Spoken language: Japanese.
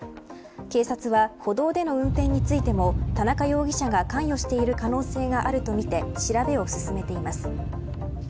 警察は歩道での運転についても田中容疑者が関与している可能性があるとみて調べを進めています。